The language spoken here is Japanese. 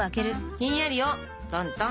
ひんやりトントン。